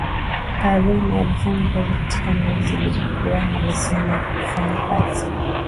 Karume alifanya kazi katika meli zilizokuwa na leseni ya kufanya kazi